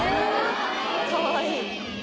かわいい。